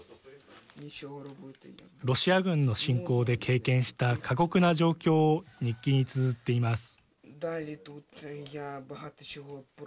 ロシア軍の侵攻で経験した過酷な状況を日記につづっています。